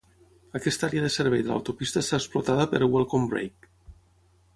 Aquesta àrea de servei de l'autopista està explotada per Welcome Break.